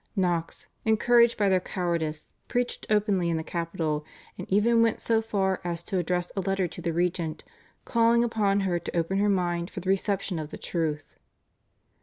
Knox, encouraged by their cowardice, preached openly in the capital, and even went so far as to address a letter to the regent calling upon her to open her mind for the reception of the truth.